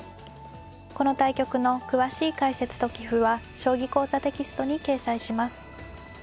この対局の詳しい解説と棋譜は「将棋講座」テキストに掲載します。